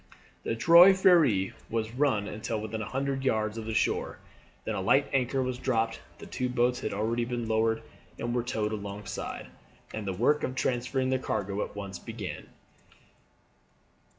The Trois Freres was run on until within a hundred yards of the shore, then a light anchor was dropped. The two boats had already been lowered and were towed alongside, and the work of transferring the cargo at once began.